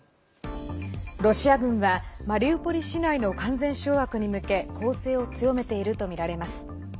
ロシア軍はマリウポリ市内の完全掌握に向け攻勢を強めているとみられます。